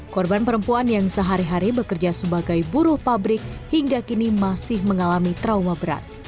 korban perempuan yang sehari hari bekerja sebagai buruh pabrik hingga kini masih mengalami trauma berat